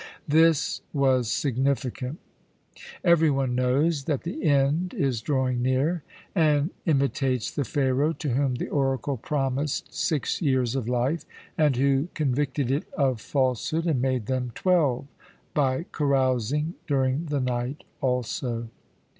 This was significant. Every one knows that the end is drawing near, and imitates the Pharaoh to whom the oracle promised six years of life, and who convicted it of falsehood and made them twelve by carousing during the night also.